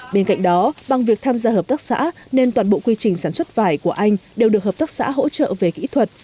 bên cạnh đó bằng việc tham gia hợp tác xã nên toàn bộ quy trình sản xuất vải của anh đều được hợp tác xã hỗ trợ về kỹ thuật